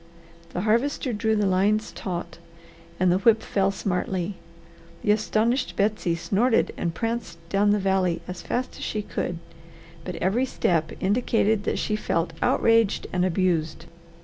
The Harvester drew the lines taut, and the whip fell smartly. The astonished Betsy snorted and pranced down the valley as fast as she could, but every step indicated that she felt outraged and abused.